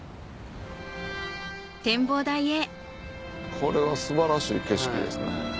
これは素晴らしい景色ですね。